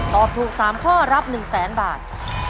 ตอบถูก๓ข้อรับ๑แสนบาท